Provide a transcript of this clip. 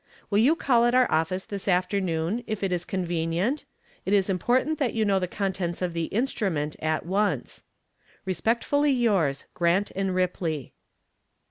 Will you call at our office this afternoon, if it is convenient? It is important that you know the contents of the instrument at once. Respectfully yours, GRANT & RIPLEY.